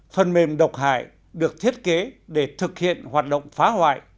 phần mềm độc hại được thiết kế để thực hiện hoạt động phá hoại